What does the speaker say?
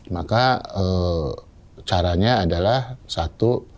maka caranya adalah satu